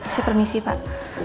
saya permisi pak